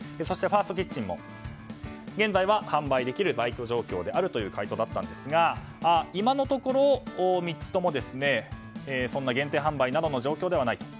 そしてファーストキッチンも現在は販売できる在庫状況であるという回答でしたが今のところ、３つとも限定販売などの状況ではない。